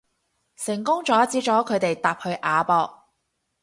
成功阻止咗佢哋搭去亞博